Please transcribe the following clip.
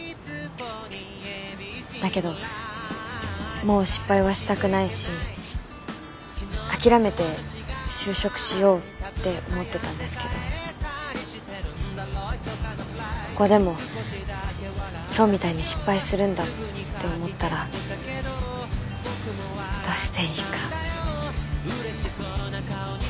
だけどもう失敗はしたくないし諦めて就職しようって思ってたんですけどここでも今日みたいに失敗するんだって思ったらどうしていいか。